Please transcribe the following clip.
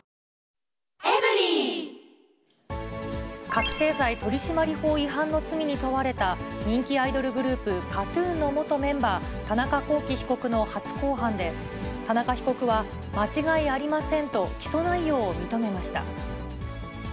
覚醒剤取締法違反の罪に問われた、人気アイドルグループ、ＫＡＴーＴＵＮの元メンバー、田中聖被告の初公判で、田中被告は間違いありませんと、起訴内容を認めました。